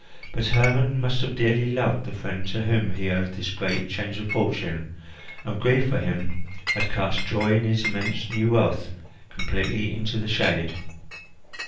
But Hermon must have dearly loved the friend to whom he owed this great change of fortune, and grief for him had cast joy in his immense new wealth completely into the shade.